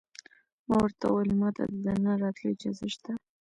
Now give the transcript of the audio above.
ما ورته وویل: ما ته د دننه راتلو اجازه شته؟